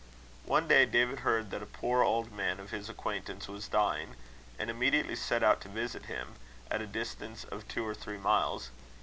One day, David heard that a poor old man of his acquaintance was dying, and immediately set out to visit him, at a distance of two or three miles.